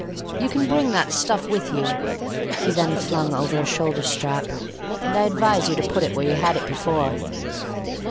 "You can bring that stuff with you," he then flung over a shoulder strap, "and I advise you to put it where you had it before."